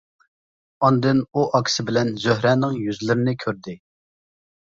ئاندىن ئۇ ئاكىسى بىلەن زۆھرەنىڭ يۈزلىرىنى كۆردى.